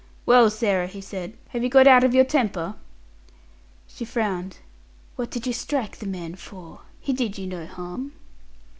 "Well, Sarah," he said, "have you got out of your temper?" She frowned. "What did you strike the man for? He did you no harm."